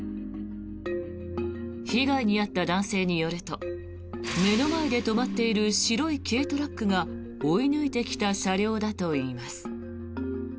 被害に遭った男性によると目の前で止まっている白い軽トラックが追い抜いてきた車両だといいます。